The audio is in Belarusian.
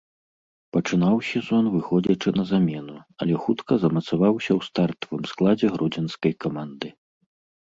Пачынаў сезон, выходзячы на замену, але хутка замацаваўся ў стартавым складзе гродзенскай каманды.